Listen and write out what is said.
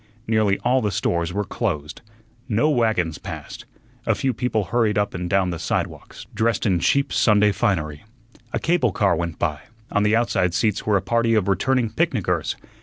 Nearly all the stores were closed. No wagons passed. A few people hurried up and down the sidewalks, dressed in cheap Sunday finery. A cable car went by; on the outside seats were a party of returning picnickers.